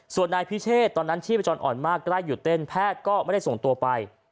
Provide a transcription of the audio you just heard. ส่วนนายพิเชษตอนนั้นชีพจรอ่อนมากใกล้หยุดเต้นแพทย์ก็ไม่ได้ส่งตัวไป